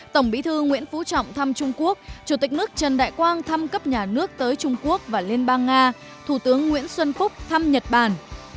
tổng bí thư nguyễn phú trọng thăm trung quốc chủ tịch nước trần đại quang thăm cấp nhà nước tới trung quốc và liên bang nga thủ tướng nguyễn xuân phúc thăm nhật bản